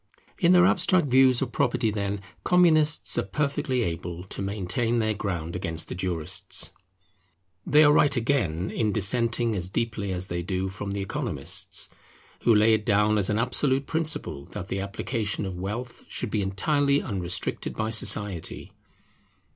In their abstract views of property, then, Communists are perfectly able to maintain their ground against the jurists. They are right, again, in dissenting as deeply as they do from the Economists, who lay it down as an absolute principle that the application of wealth should be entirely unrestricted by society.